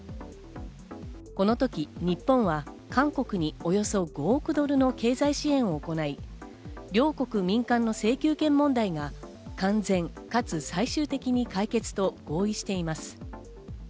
このとき日本は韓国におよそ５億ドルの経済支援を行い、両国民間の請求権問題が完全かつ最終的に解決と合意しています。